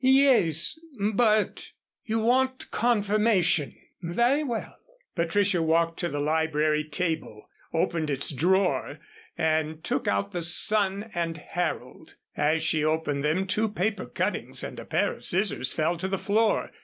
"Yes, but " "You want confirmation. Very well!" Patricia walked to the library table, opened its drawer, and took out the Sun and Herald. As she opened them two paper cuttings and a pair of scissors fell to the floor.